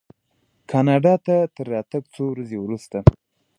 کاناډا ته تر راتګ څو ورځې وروسته.